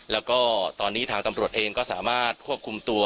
แล้วก็ตอนนี้ทางตำรวจเองก็สามารถควบคุมตัว